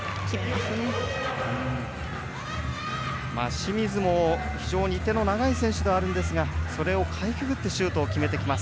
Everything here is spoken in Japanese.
清水も非常に手の長い選手ではあるんですがそれをかいくぐってシュートを決めてきます。